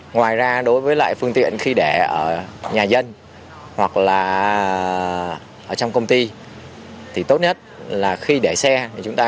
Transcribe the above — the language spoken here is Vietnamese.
ngoài ra đối với lại phương tiện khi để ở nhà dân hoặc là ở trong công ty thì tốt nhất là khi để xe thì chúng ta